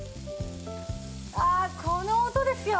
ああこの音ですよ。